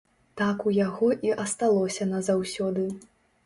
Так у яго і асталося назаўсёды.